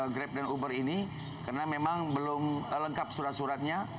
kami juga berharap karena memang belum lengkap surat suratnya